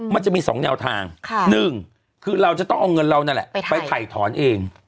มันจะมี๒แนวทางหนึ่งคือเราจะต้องเอาเงินเรานั่นแหละไปถ่ายถอนเอง